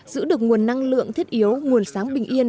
giữ được nguồn năng lượng thiết yếu nguồn sáng bình yên